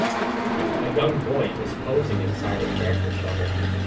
a young boy is posing inside a tractor shovel.